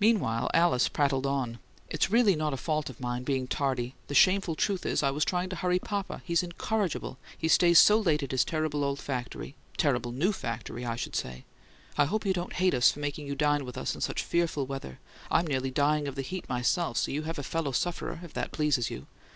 Meanwhile, Alice prattled on: "It's really not a fault of mine, being tardy. The shameful truth is I was trying to hurry papa. He's incorrigible: he stays so late at his terrible old factory terrible new factory, I should say. I hope you don't HATE us for making you dine with us in such fearful weather! I'm nearly dying of the heat, myself, so you have a fellow sufferer, if that pleases you.